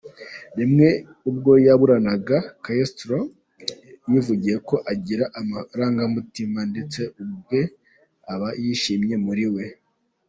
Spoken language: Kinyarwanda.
Rimwe ubwo yaburanaga, Castro yivugiye ko agira amarangamutima ndetse ubwe aba yishimye muri we.